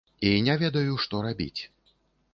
І не ведаю, што рабіць.